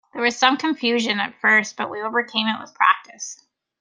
There was some confusion at first but we overcame it with practice.